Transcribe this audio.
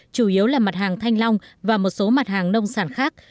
chủ yếu là mặt hàng thanh long và một số mặt hàng nông sản khác